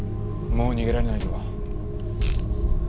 もう逃げられないぞ。